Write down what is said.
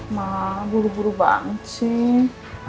mah buru buru banget sih